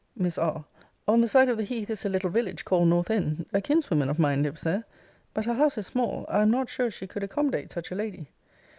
Miss R. On the side of the heath is a little village, called North end. A kinswoman of mine lives there. But her house is small. I am not sure she could accommodate such a lady.